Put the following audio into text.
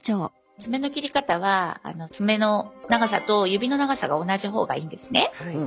爪の切り方は爪の長さと指の長さが同じ方がいいんですね。